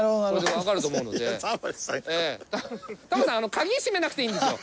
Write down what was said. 鍵閉めなくていいんですよ。